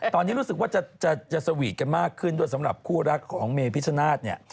ตอนนี้รู้สึกว่าจะสวีทกันมากขึ้นด้วยสำหรับคู่รักของเมพิชนาธิ์เนี่ย